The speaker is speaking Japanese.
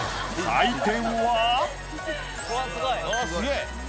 採点は。